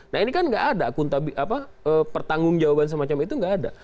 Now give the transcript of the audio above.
nah ini kan nggak ada pertanggung jawaban semacam itu nggak ada